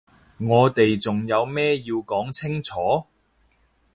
我哋仲有咩要講清楚？